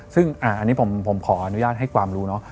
ซึ่งอันนี้ผมขออนุญาตให้ความรู้เนาะ